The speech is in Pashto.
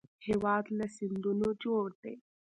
هېواد له سیندونو جوړ دی